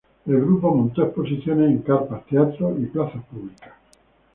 El grupo montó exposiciones en carpas, teatros y plazas públicas.